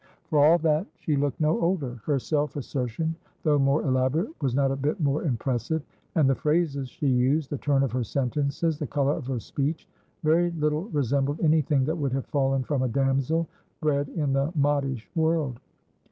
For all that, she looked no older; her self assertion, though more elaborate, was not a bit more impressive, and the phrases she used, the turn of her sentences, the colour of her speech, very little resembled anything that would have fallen from a damsel bred in the modish world.